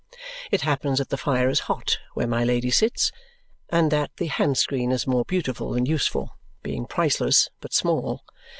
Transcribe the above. It happens that the fire is hot where my Lady sits and that the hand screen is more beautiful than useful, being priceless but small.